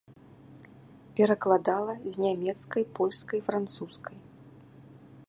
Перакладала з нямецкай, польскай, французскай.